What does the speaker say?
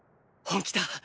本気だッ！